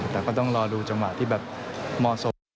แต่ก็ต้องรอดูจำหวะที่มากนะ